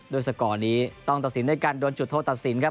สกอร์นี้ต้องตัดสินด้วยการโดนจุดโทษตัดสินครับ